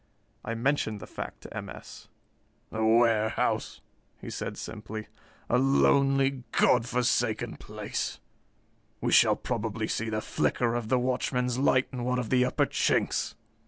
I mentioned the fact to M. S. "The warehouse," he said simply. "A lonely, God forsaken place. We shall probably see the flicker of the watchman's light in one of the upper chinks."